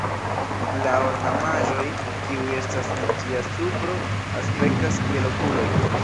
La ornamaĵoj kiuj estas en ĝia supro aspektas kiel okuloj.